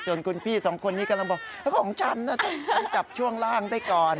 ส่วนคุณพี่สองคนนี้กำลังบอกของฉันนะฉันจับช่วงล่างได้ก่อน